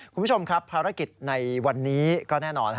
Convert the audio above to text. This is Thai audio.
คุณผู้ชมครับภารกิจในวันนี้ก็แน่นอน